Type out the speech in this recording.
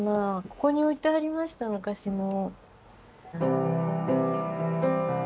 ここに置いてありました昔も。